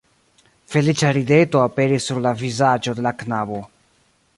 Feliĉa rideto aperis sur la vizaĝo de la knabo